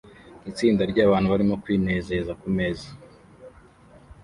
Itsinda ryabantu barimo kwinezeza kumeza